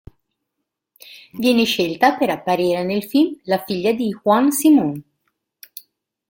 Viene scelta per apparire nel film "La figlia di Juan Simón".